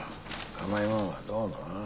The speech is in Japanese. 甘いもんはどうもな。